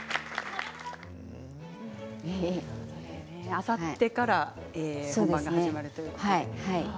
あさってから始まるということで。